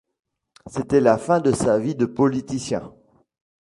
C'était la fin de sa vie de politicien.